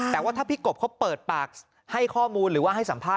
แต่ว่าถ้าพี่กบเขาเปิดปากให้ข้อมูลหรือว่าให้สัมภาษ